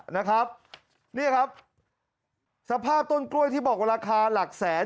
นะครับเนี่ยครับสภาพต้นกล้วยที่บอกว่าราคาหลักแสน